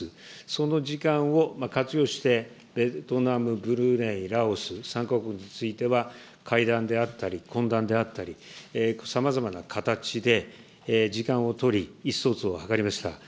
その時間を活用して、ベトナム、ブルネイ、ラオス、３か国については、会談であったり、懇談であったり、さまざまな形で時間を取り、意思疎通を図りました。